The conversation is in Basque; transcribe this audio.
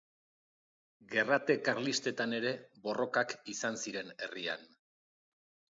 Gerrate Karlistetan ere borrokak izan ziren herrian.